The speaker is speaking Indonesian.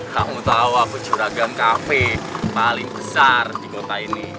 kamu tahu aku curagam kafe paling besar di kota ini